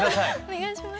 お願いします。